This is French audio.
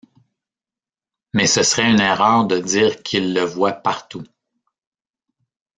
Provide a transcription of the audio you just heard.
Mais ce serait une erreur de dire qu'il le voit partout.